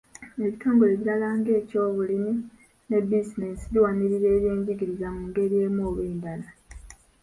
Ebitongole ebirala nga eky'ebyobulimi ne bizinensi biwanirira ebyenjigiriza mu ngeri emu oba endala.